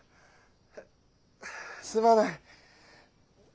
あすまない。